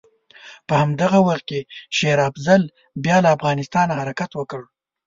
په همدغه وخت کې شېر افضل بیا له افغانستانه حرکت وکړ.